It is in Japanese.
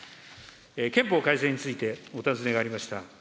憲法改正について、お尋ねがありました。